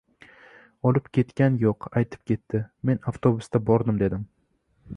— Olib ketgan yo‘q, aytib ketdi. Men avtobusda bordim, — dedim.